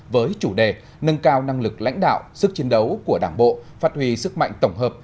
với chủ đề nâng cao năng lực lãnh đạo sức chiến đấu của đảng bộ phát huy sức mạnh tổng hợp